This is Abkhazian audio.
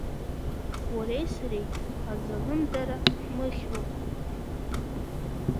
Уареи сареи азалымдара ҳмыхьроуп.